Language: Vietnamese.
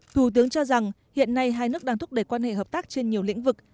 thủ tướng cho rằng hiện nay hai nước đang thúc đẩy quan hệ hợp tác trên nhiều lĩnh vực